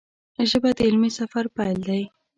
ژبه د علمي سفر پیل دی